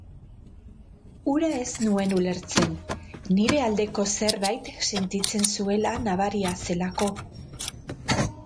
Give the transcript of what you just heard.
Hura ez nuen ulertzen, nire aldeko zerbait sentitzen zuela nabaria zelako.